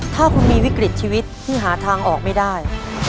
ถ้าคุณมีวิกฤตชีวิตที่หาทางออกไม่ได้